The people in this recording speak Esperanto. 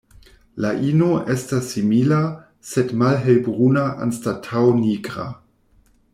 La ino estas simila, sed malhelbruna anstataŭ nigra.